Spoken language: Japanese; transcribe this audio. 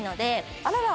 あらら！